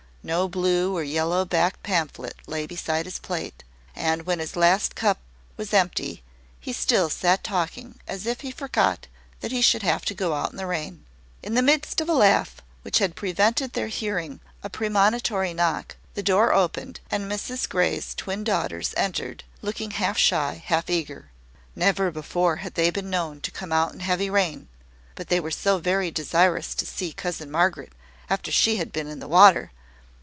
No blue or yellow backed pamphlet lay beside his plate; and when his last cup was empty, he still sat talking as if he forgot that he should have to go out in the rain. In the midst of a laugh which had prevented their hearing a premonitory knock, the door opened, and Mrs Grey's twin daughters entered, looking half shy, half eager. Never before had they been known to come out in heavy rain: but they were so very desirous to see cousin Margaret after she had been in the water!